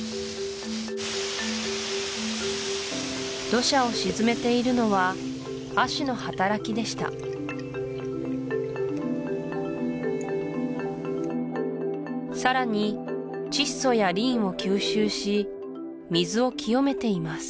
土砂を沈めているのは葦の働きでしたさらに窒素やリンを吸収し水を清めています